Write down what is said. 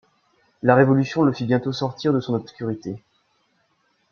La révolution le fit bientôt sortir de son obscurité.